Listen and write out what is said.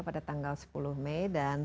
pada tanggal sepuluh mei